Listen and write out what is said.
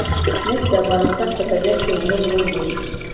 مس د افغانستان په طبیعت کې مهم رول لري.